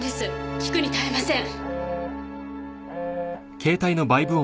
聞くに耐えません。